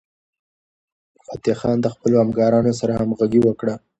فتح خان د خپلو همکارانو سره همغږي وکړه.